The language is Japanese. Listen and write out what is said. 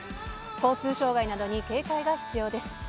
交通障害などに警戒が必要です。